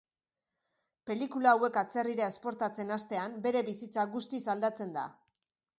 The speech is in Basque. Pelikula hauek atzerrira esportatzen hastean, bere bizitza guztiz aldatzen da.